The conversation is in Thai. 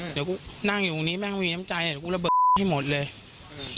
เดี๋ยวกูนั่งอยู่ตรงนี้แม่เขามีน้ำใจเดี๋ยวกูระเบิดให้หมดเลยอืม